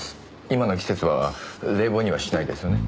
今の季節は冷房にはしないですよね。